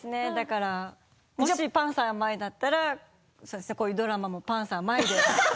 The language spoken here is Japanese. もしパンサー舞だったらこういうドラマも、パンサー舞で。